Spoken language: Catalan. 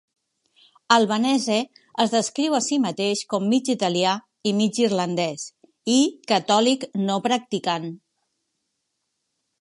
Albanese es descriu a si mateix com "mig italià i mig irlandès" i "catòlic no practicant".